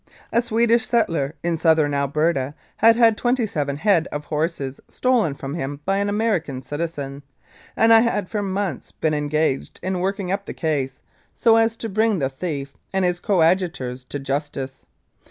A Swedish settler in Southern Alberta had had twenty seven head of horses stolen from him by an American citizen, and I had for months been engaged in working up the case, so as to bring the thief and his coadjutors to justice.